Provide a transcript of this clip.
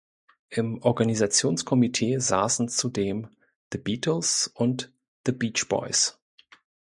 Im Organisationskomitee saßen zudem The Beatles und The Beach Boys.